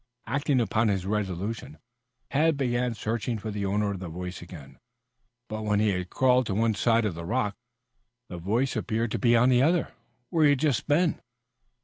Acting upon his resolution, Tad began searching for the owner of the voice again. But when he had crawled to one side of the rock, the voice appeared to be on the other, where he had just been.